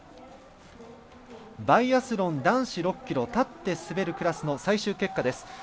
バイアスロン男子６ｋｍ立って滑るクラスの最終結果です。